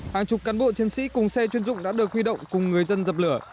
hàng chục cán bộ chiến sĩ cùng xe chuyên dụng đã được huy động cùng người dân dập lửa